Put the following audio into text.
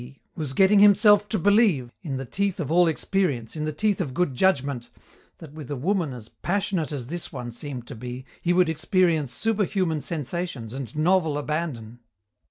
was getting himself to believe in the teeth of all experience, in the teeth of good judgment that with a woman as passionate as this one seemed to be, he would experience superhuman sensations and novel abandon.